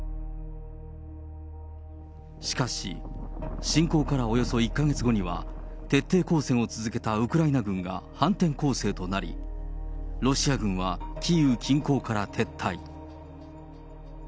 しかし、侵攻からおよそ１か月後には、徹底抗戦を続けたウクライナ軍が反転攻勢となり、ロシア軍はキーウ近郊から撤退。